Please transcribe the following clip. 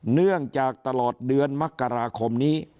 เนื่องจากตลอดเดือนมกราคมนี้